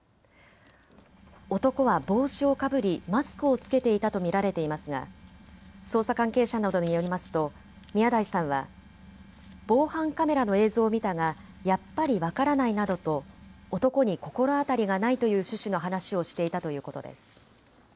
男は帽子をかぶりマスクを着けていたと見られていますが捜査関係者などによりますと宮台さんは防犯カメラの映像を見たがやっぱり分からないなどと男に心当たりがないという趣旨の話をしていたということです。